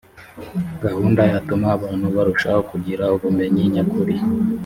gahunda yatuma abantu barushaho kugira ubumenyi nyakuri